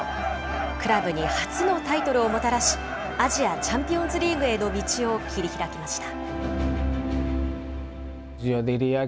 クラブに初のタイトルをもたらし、アジアチャンピオンズリーグへの道を切り開きました。